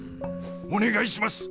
お願いします！